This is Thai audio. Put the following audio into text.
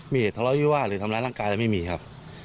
มีเหตุทะเลาะวิวาสหรือทำร้ายร่างกายอะไรไม่มีครับ